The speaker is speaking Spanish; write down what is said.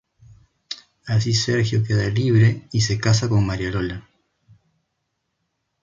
Así Sergio queda libre y se casa con María Lola.